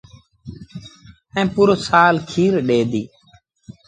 ائيٚݩ پورو سآل کير ڏي ديٚ۔